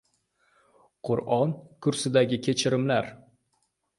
Qur’on kursidagi kechinmalarim...